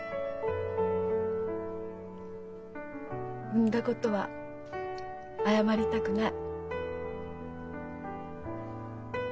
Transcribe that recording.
産んだことは謝りたくない。